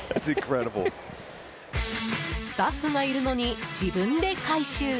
スタッフがいるのに自分で回収。